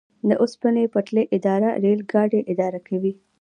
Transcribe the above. د اوسپنې پټلۍ اداره ریل ګاډي اداره کوي